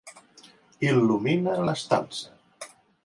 Il·lumina l'estança.